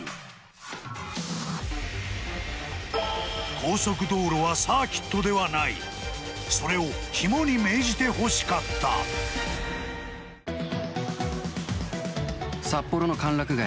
高速道路はサーキットではないそれを肝に銘じてほしかった札幌の歓楽街